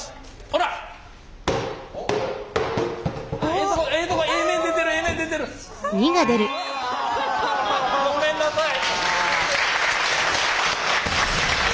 うわごめんなさい。